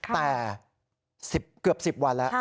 แต่เกือบ๑๐วันแล้ว